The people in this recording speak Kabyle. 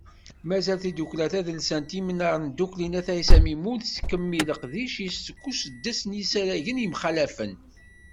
Mazal tidukkla tadelsant Imnar n Tdukli n At Ɛisa Mimun, tettkemmil leqdic-is deg usuddes n yisaragen yemxalafen.